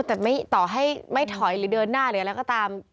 แต่ต่อให้ไม่ถอยหรือเดินหน้าเลยแล้วก็ตาม